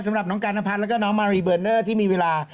สำหรับน้องการนพัฒน์แล้วก็น้องมารีเบอร์เนอร์ที่มีเวลา